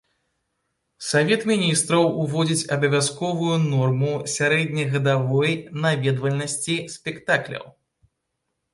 Савет міністраў уводзіць абавязковую норму сярэднегадавой наведвальнасці спектакляў.